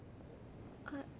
あっ。